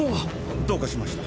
どうかしました？